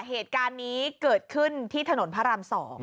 เหตุการณ์นี้เกิดขึ้นที่ถนนพระราม๒